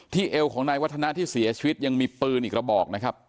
เอวของนายวัฒนะที่เสียชีวิตยังมีปืนอีกระบอกนะครับ